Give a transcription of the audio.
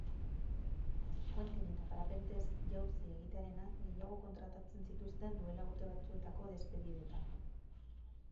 Puenting eta parapentez jauzi egitearena gehiago kontratatzen zituzten duela urte batzuetako despedidetan.